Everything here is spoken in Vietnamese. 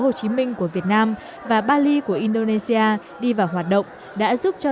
hồ chí minh của việt nam và bali của indonesia đi vào hoạt động đã giúp cho